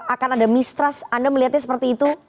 akan ada mistrust anda melihatnya seperti itu